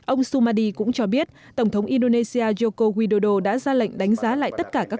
ông sumadi cũng cho biết tổng thống indonesia joko widodo đã ra lệnh đánh giá lại tất cả các